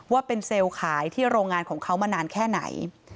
ว่าเป็นเซลล์ขายที่โรงงานของเขามานานแค่ไหน